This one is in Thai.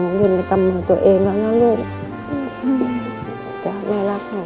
อย่าลืมในกำหนดตัวเองนะหนูจ้ะแม่รักหนู